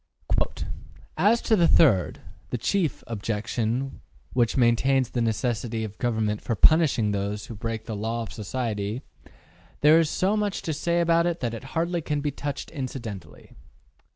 ``As to the third the chief objection, which maintains the necessity of a government for punishing those who break the law of society, there is so much to say about it that it hardly can be touched incidentally.